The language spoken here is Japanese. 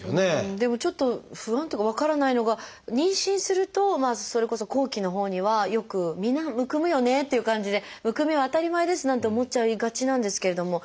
でもちょっと不安っていうか分からないのが妊娠するとそれこそ後期のほうにはよくみんなむくむよねという感じでむくみは当たり前ですなんて思っちゃいがちなんですけれども。